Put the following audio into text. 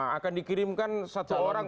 akan dikirimkan satu orang